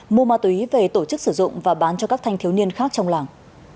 mua ma túy về tổ chức sử dụng và bán cho các thanh thiếu niên khác trong làng